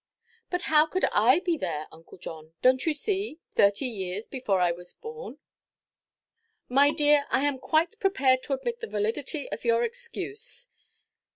"But how could I be there, Uncle John, donʼt you see, thirty years before I was born?" "My dear, I am quite prepared to admit the validity of your excuse.